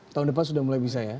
tahun depan sudah mulai bisa ya